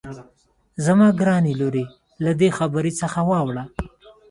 زما ګرانې لورې له دې خبرې څخه واوړه.